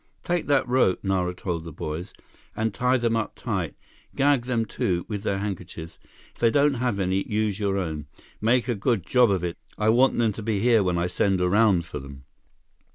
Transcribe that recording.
"Take that rope," Nara told the boys, "and tie them up tight. Gag them, too, with their handkerchiefs. If they don't have any, use your own. Make a good job of it. I want them to be here when I send around for them."